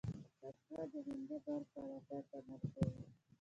لاشعور د همدې باور پر اساس عمل کوي.